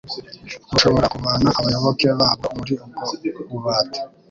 bushobora kuvana abayoboke babwo muri ubwo bubata